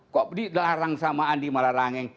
kok didarang sama andi malarangen